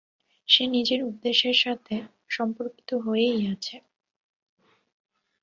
সে নিজের উদ্দেশ্যের সাথে সম্পর্কিত হয়েই আছে।